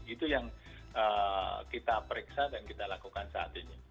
itu yang kita periksa dan kita lakukan saat ini